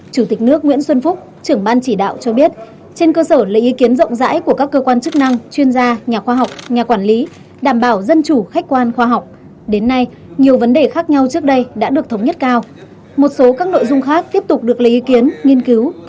chủ tịch nước nguyễn xuân phúc trưởng ban chỉ đạo cho biết trên cơ sở lấy ý kiến rộng rãi của các cơ quan chức năng chuyên gia nhà khoa học nhà quản lý đảm bảo dân chủ khách quan khoa học đến nay nhiều vấn đề khác nhau trước đây đã được thống nhất cao một số các nội dung khác tiếp tục được lấy ý kiến nghiên cứu